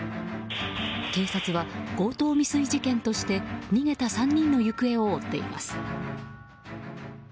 警察は、強盗未遂事件として逃げた３人の行方を追っています。